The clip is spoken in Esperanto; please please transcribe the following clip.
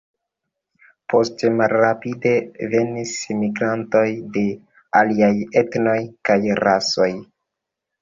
Poste malrapide venis migrantoj de aliaj etnoj kaj rasoj.